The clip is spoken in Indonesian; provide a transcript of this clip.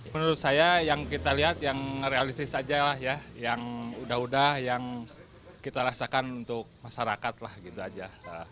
menurut saya yang kita lihat yang realistis aja lah ya yang udah udah yang kita rasakan untuk masyarakat lah gitu aja